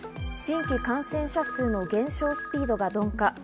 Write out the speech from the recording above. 新規感染者数の減少スピードが鈍化。